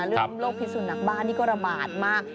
เรื่องเกมโลกพิษศุนย์นางบ้านที่ถูกระบาดมาก